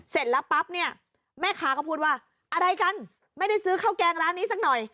เสร็จแล้วปั๊บเนี่ยแม่ค้าก็พูดว่าอะไรกันไม่ได้ซื้อข้าวแกงร้านนี้สักหน่อย